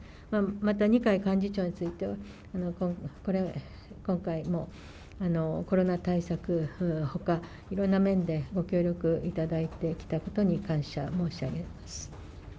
また、二階幹事長については、今回もコロナ対策ほか、いろんな面でご協力いただいてきたことに感謝申し上げます。